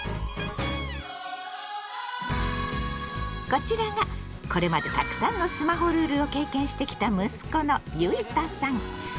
こちらがこれまでたくさんのスマホルールを経験してきた息子のゆいたさん。